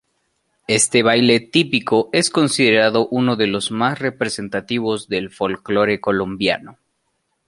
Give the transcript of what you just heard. Este baile típico es considerado uno de los más representativos del folclore colombiano.